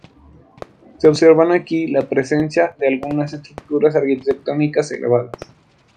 Se observan aquí la presencia de algunas estructuras arquitectónicas elevadas.